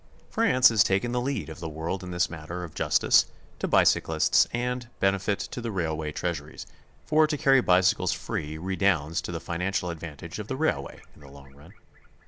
France has taken the lead of the world in this matter of justice to bicyclists and benefit to the railway treasuries, for to carry bicycles free redounds to the financial advantage of the railway in the long run.